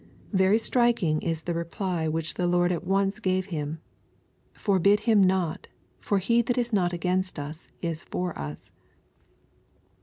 — ^Very striking is the reply which the Lord at once gave him :" Forbid him not : for he that is not against us is for us."